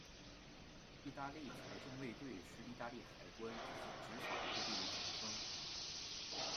意大利财政卫队是意大利海关及其执法部队的总称。